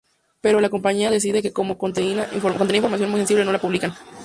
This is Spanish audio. Pero, la "Compañía" decide que como contenía información muy sensible no la publican.